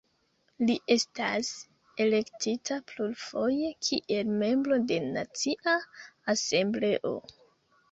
Li estas elektita plurfoje kiel Membro de Nacia Asembleo.